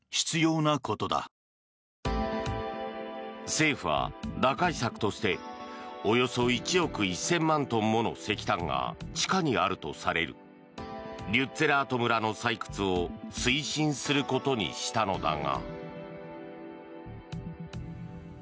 政府は打開策としておよそ１億１０００万トンもの石炭が地下にあるとされるリュッツェラート村の採掘を推進することにしたのだが。